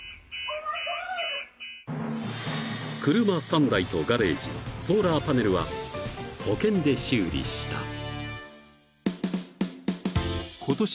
［車３台とガレージソーラーパネルは保険で修理した］